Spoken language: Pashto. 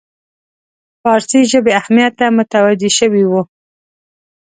فارسي ژبې اهمیت ته متوجه شوی وو.